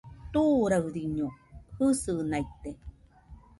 Turaɨriño jɨsɨnaite